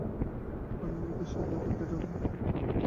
আমি এই বিষয়টি আপনাদের মনে দৃঢ়ভাবে মুদ্রিত করিয়া দিতে চাই।